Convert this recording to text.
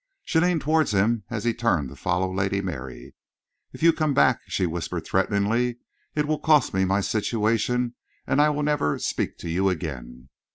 She leaned towards him as he turned to follow Lady Mary. "If you come back," she whispered threateningly, "it will cost me my situation and I will never speak to you again."